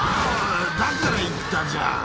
「だから言ったじゃん」